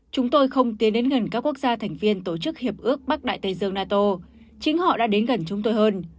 chúng tôi không tiến đến gần các quốc gia thành viên tổ chức hiệp ước bắc đại tây dương nato chính họ đã đến gần chúng tôi hơn